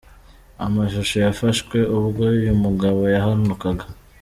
Amashusho yafashwe ubwo uyu mugabo yahanukaga.